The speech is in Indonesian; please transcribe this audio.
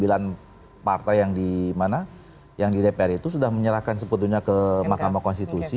dan partai yang di mana yang di dpr itu sudah menyerahkan sebetulnya ke mahkamah konstitusi